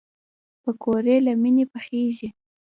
پکورې له مینې پخېږي